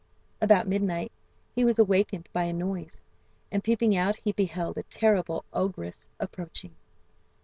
About midnight he was awakened by a noise, and peeping out he beheld a terrible ogress approaching.